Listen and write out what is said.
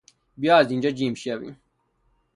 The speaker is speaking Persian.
بیا از اینجا جیم شویم!